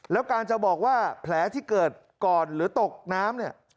แล้วการจะบอกว่าแผลที่เกิดก่อนหรือตกน้ำเนี่ย